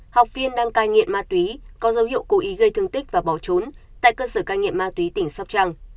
học viên đang cai nghiện ma túy có dấu hiệu cố ý gây thương tích và bỏ trốn tại cơ sở cai nghiện ma túy tỉnh sóc trăng